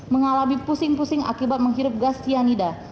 mengalami pusing pusing akibat menghirup gas cyanida